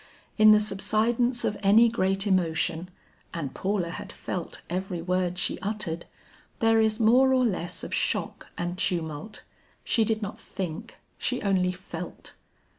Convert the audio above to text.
In the subsidence of any great emotion and Paula had felt every word she uttered there is more or less of shock and tumult. She did not think, she only felt.